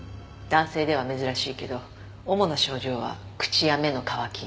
男性では珍しいけど主な症状は口や目のかわき。